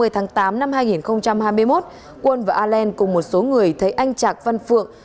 hai mươi tháng tám năm hai nghìn hai mươi một quân và ireland cùng một số người thấy anh trạc văn phượng